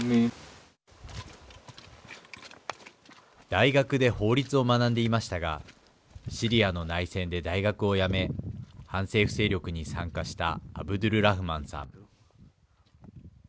大学で法律を学んでいましたがシリアの内戦で大学を辞め反政府勢力に参加したアブドゥルラフマンさん。